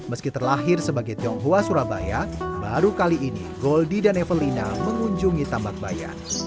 meski terlahir sebagai tionghoa surabaya baru kali ini goldi dan evelina mengunjungi tambak bayan